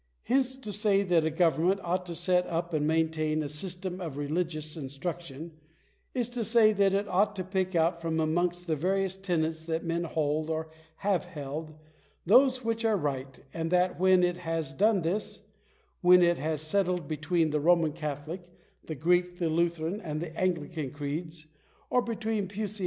Hence, to say that a government ought to set up and main tain a system of religious instruction, is to say that it ought to pick out from amongst the various tenets that men hold or have held, those which are right ; and that, when it has done this — when it has settled between the Roman Catholic, the Greek, the Lutheran, and the Anglican creeds, or between Digitized by VjOOQIC RELIGIOUS ESTABLISHMENTS.